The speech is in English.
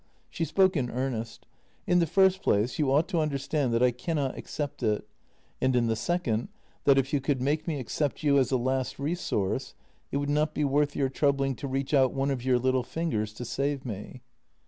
She spoke in earnest. " In the first place, you ought to understand that I cannot accept it, and in the second that, if you could make me accept you as a last resource, it would not be worth your troubling to reach out one of your little fingers to save me."